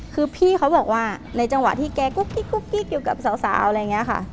คือพี่เขาบอกว่าในจังหวะที่แกกุ๊กกิ๊กอยู่กับสาวอะไรอย่างนี้ค่ะ